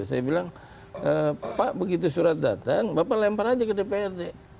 saya bilang pak begitu surat datang bapak lempar aja ke dprd